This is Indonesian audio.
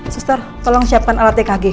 suster tolong siapkan alat tkg